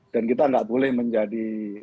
dan kita gak boleh menjadi